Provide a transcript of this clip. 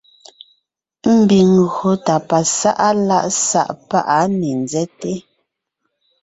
Ḿbiŋ ńgÿo tà pasá’a lá’ sá’ pá’ á ne ńzέte,